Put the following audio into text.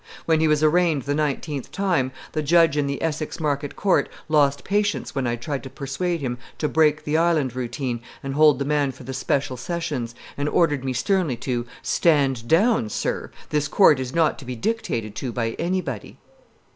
When he was arraigned the nineteenth time, the judge in the Essex Market Court lost patience when I tried to persuade him to break the Island routine and hold the man for the Special Sessions, and ordered me sternly to "Stand down, sir! This court is not to be dictated to by anybody."